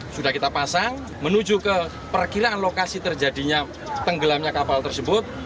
sudah kita pasang menuju ke perkiraan lokasi terjadinya tenggelamnya kapal tersebut